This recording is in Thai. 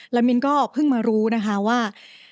แล้วมิ้นก็เพิ่งมารู้นะคะว่า